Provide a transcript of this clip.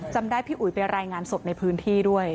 จำได้พี่อุ๋ยไปรายงานสดในพื้นที่ด้วย